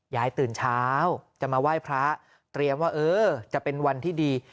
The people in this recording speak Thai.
ยายตื่นเช้าจะมาไหว้พระเตรียมว่าเออจะเป็นวันที่ดี